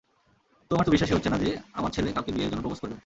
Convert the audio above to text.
আমার তো বিশ্বাসই হচ্ছে না যে আমার ছেলে কাওকে বিয়ের জন্য প্রপোজ করবে।